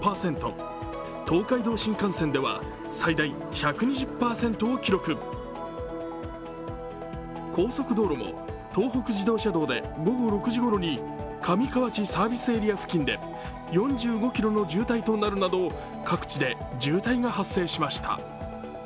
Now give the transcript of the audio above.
東海道新幹線では最大１２０％を記録高速道路も東北自動車道で午後６時ごろに上河内サービスエリア付近で４５ｋｍの渋滞となるなど各地で渋滞が発生しました。